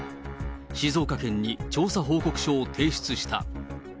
静岡県に調査報告書を提出した。